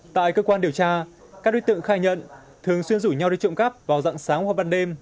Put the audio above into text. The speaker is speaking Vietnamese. tại cơ quan điều tra các đối tượng khai nhận thường xuyên rủ nhau đi trộm cắp vào dạng sáng hoặc ban đêm